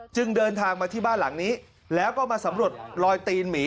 จึงเดินทางมาที่บ้านหลังนี้แล้วก็มาสำรวจลอยตีนหมี